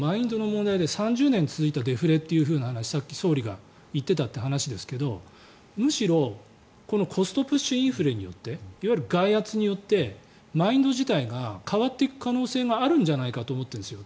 ３０年続いたデフレってさっき総理が言ってたという話ですがむしろコストプッシュインフレによっていわゆる外圧によってマインド自体が変わっていく可能性があるんじゃないかと思ってるんですよ。